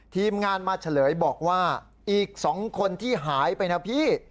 ทีมงานมาเฉลยบอกว่าอีก๒คนที่หายไปนะพี่